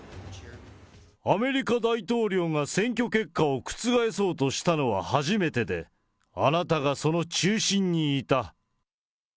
アメリカ大統領が選挙結果を覆そうとしたのは初めてで、あなたがその中心にいた。